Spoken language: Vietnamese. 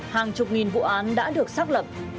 hàng chục nghìn vụ án đã được xác lập